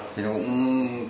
thì nó cũng